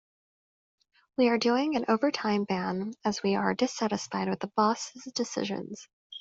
We are doing an overtime ban as we are dissatisfied with the boss' decisions.